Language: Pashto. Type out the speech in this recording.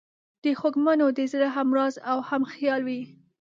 د خوږمنو د زړه همراز او همخیال وي.